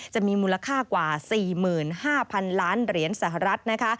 จะมีมูลค่ากว่า๔๕๐๐๐ล้านเหรียญสหรัฐนะคะ